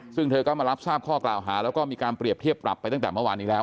ซึ่งเธอก็มารับทราบข้อกล่าวหาแล้วก็มีการเปรียบเทียบปรับไปตั้งแต่เมื่อวานนี้แล้ว